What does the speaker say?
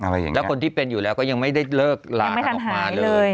แล้วคนที่เป็นอยู่แล้วก็ยังไม่ได้เลิกลากันออกมาเลย